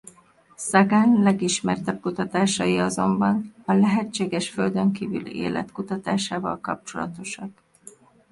Sagan legismertebb kutatásai azonban a lehetséges földönkívüli élet kutatásával kapcsolatosak.